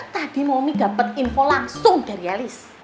tadi momi dapat info langsung dari alice